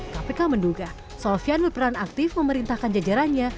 kpk menduga sofian berperan aktif memerintahkan jajarannya